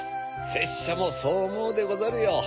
せっしゃもそうおもうでござるよ。